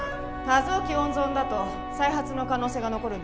他臓器温存だと再発の可能性が残るんだけど。